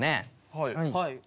はい。